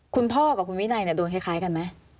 คุณพ่อกับคุณวินัยโดนคล้ายกันไหม